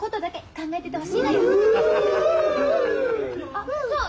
あっそう！